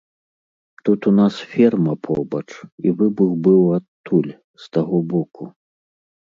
Тут у нас ферма побач, і выбух быў адтуль, з таго боку.